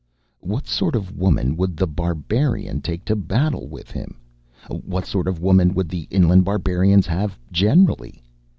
What sort of woman would The Barbarian take to battle with him? What sort of women would the inland barbarians have generally?